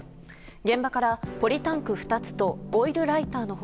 現場からポリタンク２つとオイルライターの他